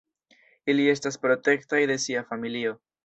Ili estas protektaj de sia familio.